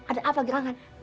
ada apa gerangan